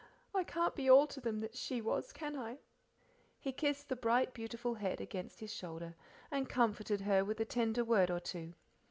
"I can't be all to them that she was, can I?" He kissed the bright, beautiful head against his shoulder, and comforted her with a tender word or two.